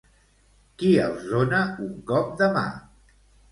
Qui els dona un cop de mà?